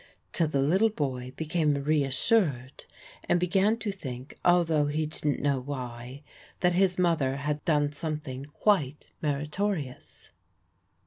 till the little boy became reassured, and began to think, although he didn't know why, that his mother had done something quite meritorious.